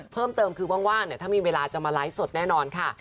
เพิ่มเติมคือว่างถ้ามีเวลาจะมาไลฟ์สดแน่นอนค่ะ